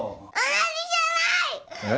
同じじゃない！えっ？